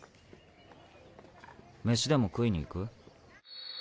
メシでも食いに行く？